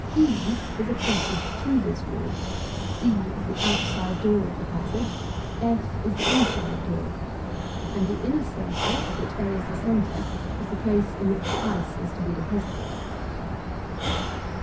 e is a passage through this wall; d is the outside door of the passage; f is the inside door; and the inner circle, of which a is the centre, is the place in which the ice is to be deposited.